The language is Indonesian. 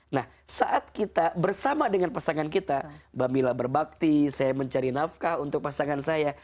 nah saat kita bersama dengan pasangan kita mbak mila berbakti saya mencari nafkah untuk pasangan saya